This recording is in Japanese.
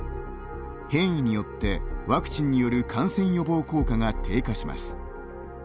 変異によって、ワクチンによる感染予防効果が低下します。